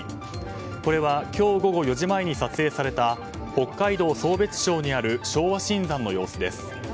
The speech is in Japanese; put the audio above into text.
これは今日午後４時前に撮影された北海道壮瞥町にある昭和新山の様子です。